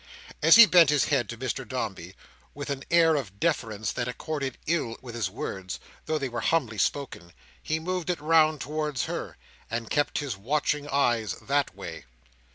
As he bent his head to Mr Dombey, with an air of deference that accorded ill with his words, though they were humbly spoken, he moved it round towards her, and kept his watching eyes that way.